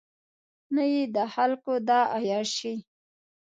نه یې د خلکو دا عیاشۍ.